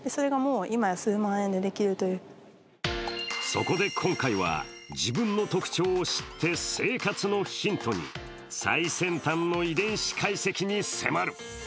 そこで今回は自分の特徴を知って生活のヒントに、最先端の遺伝子解析に迫る。